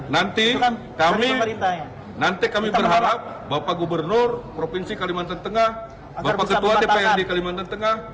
nanti kami berharap bapak gubernur provinsi kalimantan tengah bapak ketua dprd kalimantan tengah